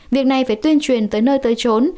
việc này phải tuyên truyền tới nơi tới trốn